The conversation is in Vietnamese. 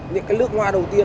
những cái nước hoa đầu tiên